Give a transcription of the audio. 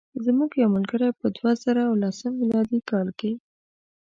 زموږ یو ملګری په دوه زره لسم میلادي کال.